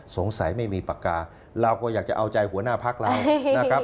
ไม่มีปากกาเราก็อยากจะเอาใจหัวหน้าพักเรานะครับ